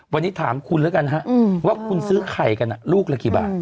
วันนี้ถามคุณแล้วกันฮะว่าคุณซื้อไข่กันลูกละกี่บาท